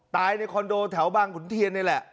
ในคอนโดแถวบางขุนเทียนนี่แหละ